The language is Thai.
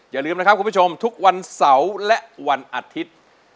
อย่าลืมนะครับคุณผู้ชมทุกวันเสาร์และวันอาทิตย์